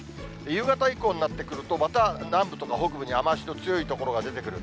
夕方以降になってくると、また南部とか北部に雨足の強い所が出てくる。